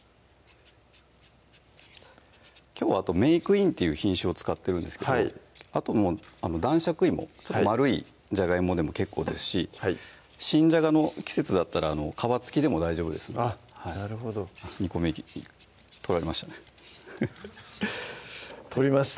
きょうはメークインっていう品種を使ってるんですけどあと男爵いも丸いじゃがいもでも結構ですし新じゃがの季節だったら皮付きでも大丈夫ですのでなるほど２個目取られましたね取りました